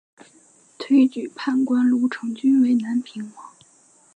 推举判官卢成均为南平王。